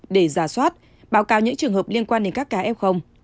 để giả soát báo cáo những trường hợp liên quan đến các cá f